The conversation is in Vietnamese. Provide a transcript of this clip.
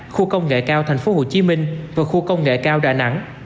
khu công nghệ cao tp hcm và khu công nghệ cao đà nẵng